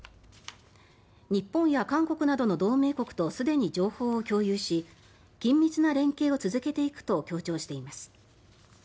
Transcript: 日本や韓国などの同盟国とすでに情報を共有し緊密な連携を続けていくと強調しています。